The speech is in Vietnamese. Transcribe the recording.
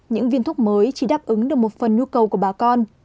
những viên thuốc mới chỉ đáp ứng được một phần nhu cầu của bà con